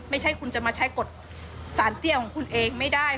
ที่มันก็มีเรื่องที่ดิน